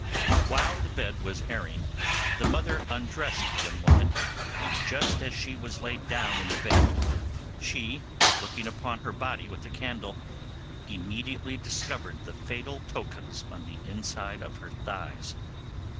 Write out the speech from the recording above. While the bed was airing the mother undressed the young woman, and just as she was laid down in the bed, she, looking upon her body with a candle, immediately discovered the fatal tokens on the inside of her thighs.